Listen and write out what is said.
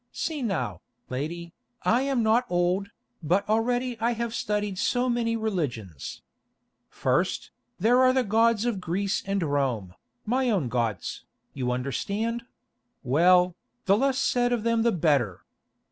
See now, lady, I am not old, but already I have studied so many religions. First, there are the gods of Greece and Rome, my own gods, you understand—well, the less said of them the better.